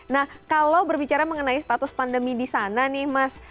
nah kalau berbicara mengenai status pandemi di sana nih mas